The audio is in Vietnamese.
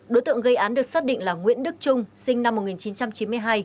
đối tượng gây án được xác định là nguyễn đức trung sinh năm một nghìn chín trăm chín mươi hai